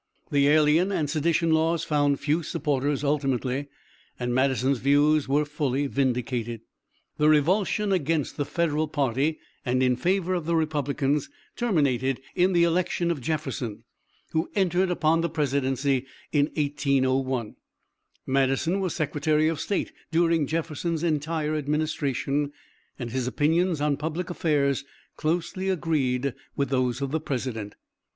The alien and sedition laws found few supporters ultimately, and Madison's views were fully vindicated. The revulsion against the Federal party and in favor of the Republicans, terminated in the election of Jefferson, who entered upon the presidency in 1801. Madison was Secretary of State during Jefferson's entire administration, and his opinions on public affairs closely agreed with those of the President.